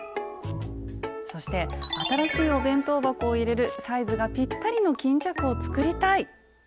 そして新しいお弁当箱を入れるサイズがぴったりの巾着を作りたい！